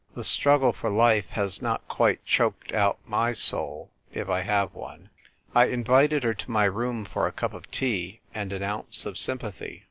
The struggle for life has not quite choked out my soul (if I have one). I invited her to my room for a cup of tea, and an ounce of sympathy.